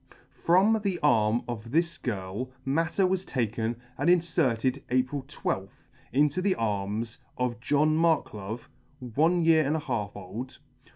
FROM the arm of this girl matter was taken and inferted April 12th into the arms of John Marklove, one year and a half old.